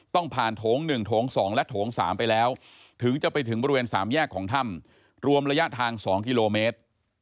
ต้องผ่านโถง๑โถง๒และโถง๓ไปแล้วถึงจะไปถึงบริเวณ๓แยกของถ้ำรวมระยะทาง๒กิโลเมตร